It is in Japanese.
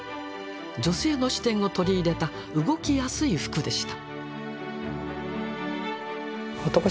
女性の視点を取り入れた動きやすい服でした。